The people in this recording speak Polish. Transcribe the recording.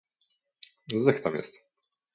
"Zych tam jest."